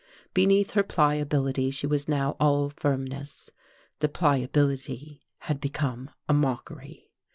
Beneath her pliability she was now all firmness; the pliability had become a mockery.